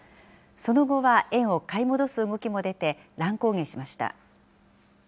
その後は円を買い戻す動きも出て、乱高下しました。